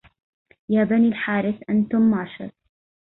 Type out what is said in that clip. يا بني الحارث أنتم معشر